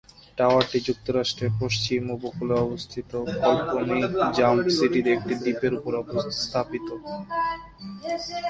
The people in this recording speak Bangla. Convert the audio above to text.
টাওয়ারটি যুক্তরাষ্ট্রের পশ্চিম উপকূলে অবস্থিত কাল্পনিক জাম্প সিটিতে একটি দ্বীপের ওপর স্থাপিত।